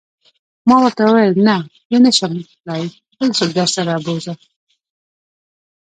ما ورته وویل: نه، زه نه شم تلای، بل څوک درسره و بوزه.